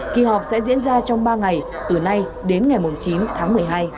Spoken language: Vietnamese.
kỳ họp sẽ diễn ra trong ba ngày từ nay đến ngày chín tháng một mươi hai